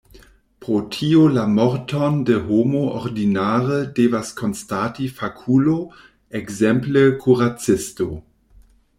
Pro tio la morton de homo ordinare devas konstati fakulo, ekzemple kuracisto.